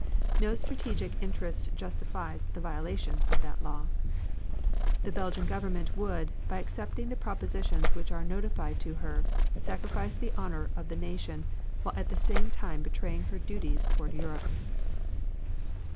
No strategic interest justifies the violation of that law. The Belgian Government would, by accepting the propositions which are notified to her, sacrifice the honor of the nation while at the same time betraying her duties toward Europe.